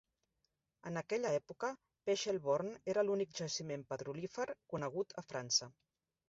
En aquella època, Pechelbornn era l"únic jaciment petrolífer conegut a França.